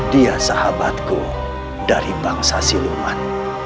dia sahabatku dari bangsa siluman